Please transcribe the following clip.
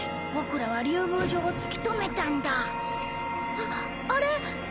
あっあれ。